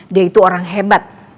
dia itu orang hebat calon suami kamu